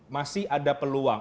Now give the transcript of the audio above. masih ada peluang